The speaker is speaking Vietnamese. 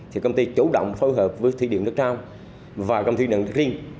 thì công ty chủ động phối hợp với thủy điện nước nam và công ty nước riêng